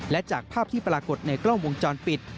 และจากภาพที่ปรากฏในกล้องวงจรปิด